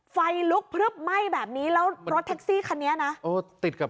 ไฟลุกพลึบไหม้แบบนี้แล้วรถแท็กซี่คันนี้นะโอ้ติดกับ